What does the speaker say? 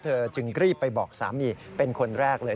จึงรีบไปบอกสามีเป็นคนแรกเลย